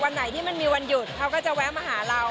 ไหนที่มันมีวันหยุดเขาก็จะแวะมาหาเรา